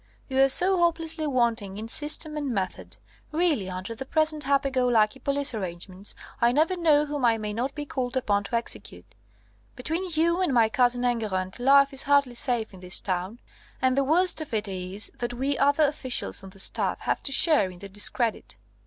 "You are so hopelessly wanting in system and method. Really, under the present happy go lucky police arrangements, I never know whom I may not be called upon to execute. Between you and my cousin Enguerrand, life is hardly safe in this town. And the worst of it is, that we other officials on the staff have to share in the discredit."